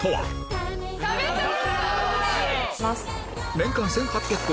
年間１８００個